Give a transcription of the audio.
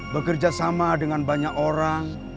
bekerja sama dengan banyak orang